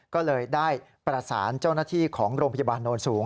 ก็เลยได้ประสานเจ้าหน้าที่ของโรงพยาบาลโน้นสูง